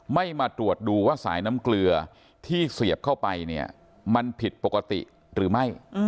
ไม่มาตรวจดูว่าสายน้ำเกลือที่เสียบเข้าไปเนี่ยมันผิดปกติหรือไม่